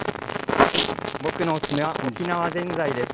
僕のおすすめは沖縄ぜんざいです。